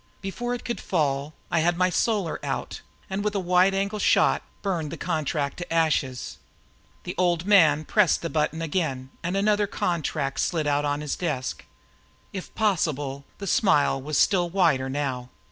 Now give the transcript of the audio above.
Before it could fall, I had my Solar out and, with a wide angle shot, burned the contract to ashes. The Old Man pressed the button again and another contract slid out on his desk. If possible, the smile was still wider now.